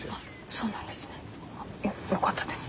そうなんですねよかったです。